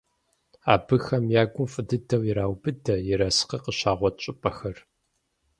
Абыхэм я гум фӀы дыдэу ираубыдэ ерыскъы къыщагъуэт щӀыпӀэхэр.